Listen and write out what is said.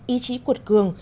ý chí cuột cường